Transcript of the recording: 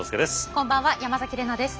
こんばんは山崎怜奈です。